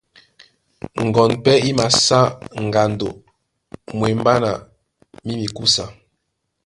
Ŋgoɔn pɛ́ í masá ŋgando mwembá na mí mikúsa.